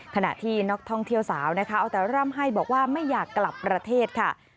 ขณะที่นักท่องเที่ยวสาวนะคะเอาแต่ร่ำให้บอกว่าไม่อยากกลับประเทศค่ะ